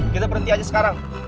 kita berhenti aja sekarang